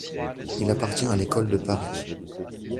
Il appartient à l’École de Paris.